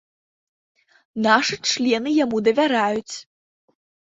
Нашы члены яму давяраюць.